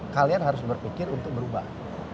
kalian harus berpikir untuk berubah